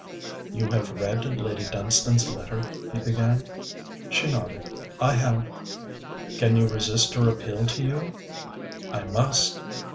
'You have read Lady Dunstane's letter,' he began. She nodded. 'I have.' 'Can you resist her appeal to you?' 'I must.'